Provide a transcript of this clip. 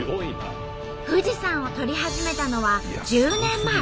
富士山を撮り始めたのは１０年前。